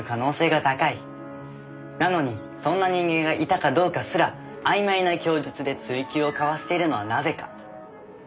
なのにそんな人間がいたかどうかすらあいまいな供述で追及をかわしているのはなぜか？